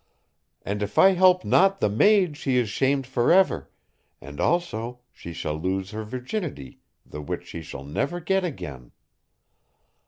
And if I help not the maid she is shamed for ever, and also she shall lose her virginity the which she shall never get again.